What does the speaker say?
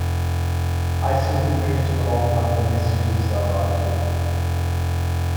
I simply drift along like the messages I write you.